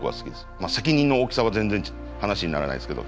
まあ責任の大きさは全然話にならないですけど。